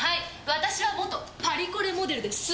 私は元パリコレモデルです。